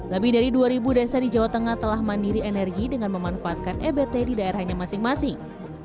lebih dari dua desa di jawa tengah telah mandiri energi dengan memanfaatkan ebt di daerahnya masing masing